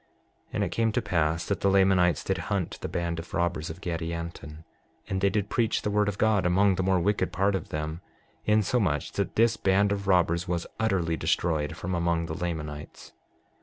6:37 And it came to pass that the Lamanites did hunt the band of robbers of Gadianton; and they did preach the word of God among the more wicked part of them, insomuch that this band of robbers was utterly destroyed from among the Lamanites.